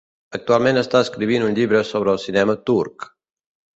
Actualment està escrivint un llibre sobre el cinema turc.